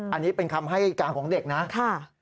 อันนี้เป็นคำให้การของเด็กนะ